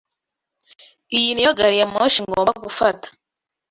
Iyo niyo gari ya moshi ngomba gufata?